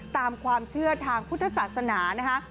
ตามความเชื่อทางพุทธศาสนานะคะ